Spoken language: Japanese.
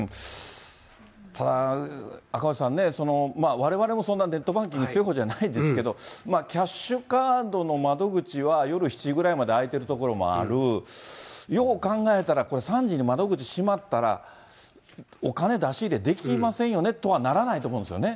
ただ、赤星さんね、われわれもそんなネットバンキング強いほうじゃないですけど、キャッシュカードの窓口は夜７時ぐらいまで開いてる所もある、よう考えたら、これ、３時に窓口閉まったら、お金出し入れできませんよねとはならないと思うんですよね。